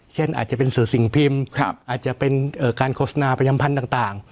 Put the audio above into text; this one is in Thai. อาจจะเป็นสื่อสิ่งพิมพ์อาจจะเป็นการโฆษณาประจำพันธุ์ต่าง